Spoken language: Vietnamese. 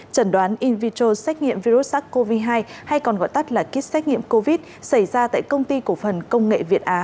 trần đoán in viettral xét nghiệm virus sars cov hai hay còn gọi tắt là kit xét nghiệm covid xảy ra tại công ty cổ phần công nghệ việt á